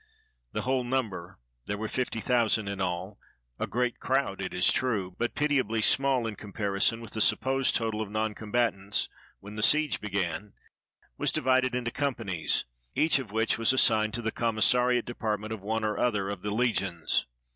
The whole number — there were fifty thousand in all, a great crowd, it is true, but pitiably small in comparison with the supposed total of noncombatants when the siege began — was divided into companies, each of which was assigned to the conmiissariat department of one or other of the legions.